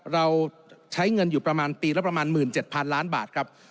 เราใช้เงินอยู่ประมาณปีละประมาณ๑๗๐๐ล้านบาทครับ